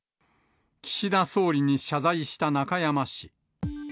岸田総理に謝罪した中山氏。